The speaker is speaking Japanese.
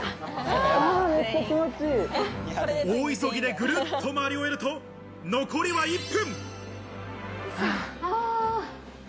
大急ぎでぐるっと回り終えると、残りは１分。